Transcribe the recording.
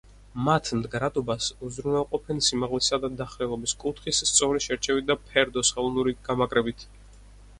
მათ მდგრადობას უზრუნველყოფენ სიმაღლისა და დახრილობის კუთხის სწორი შერჩევით და ფერდოს ხელოვნური გამაგრებით.